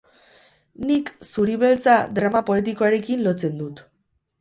Nik zuri beltza drama poetikoarekin lotzen dut.